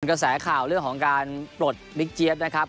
กระแสข่าวเรื่องของการปลดบิ๊กเจี๊ยบนะครับ